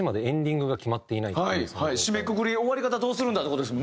締めくくり終わり方どうするんだって事ですもんね。